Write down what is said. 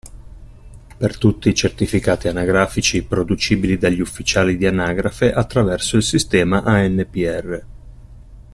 Per tutti i certificati anagrafici producibili dagli ufficiali di anagrafe attraverso il sistema ANPR.